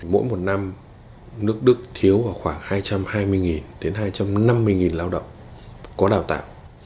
mỗi một năm nước đức thiếu khoảng hai trăm hai mươi đến hai trăm năm mươi lao động có đào tạo